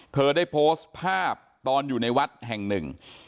เธอได้โพสต์ภาพตอนอยู่ในวัดแห่งหนึ่ง